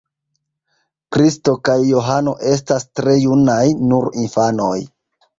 Kristo kaj Johano estas tre junaj, nur infanoj.